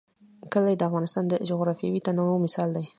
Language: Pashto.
کلي د افغانستان د جغرافیوي تنوع مثال دی.